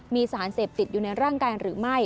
มีสารเสพติดอยู่ในร่างกายหรือไม่